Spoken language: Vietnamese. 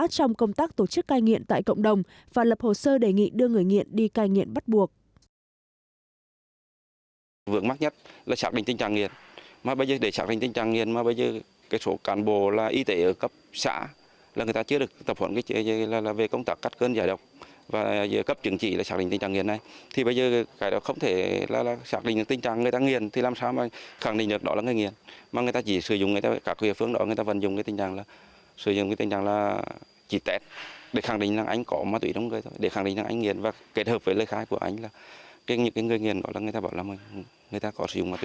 trong công tác tổ chức cai nghiện tại cộng đồng và lập hồ sơ đề nghị đưa người nghiện đi cai nghiện bắt buộc